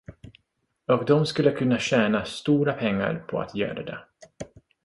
Och de skulle kunna tjäna stora pengar på att göra det.